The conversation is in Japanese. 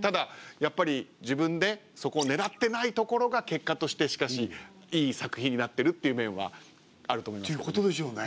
ただやっぱり自分でそこを狙ってないところが結果としてしかしいい作品になってるっていう面はあると思いますけどね。